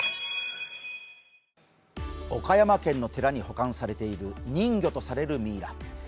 岡山県の寺に保管されている人魚とされるミイラ。